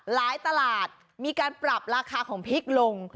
ตลาดมีการปรับราคาของพริกลง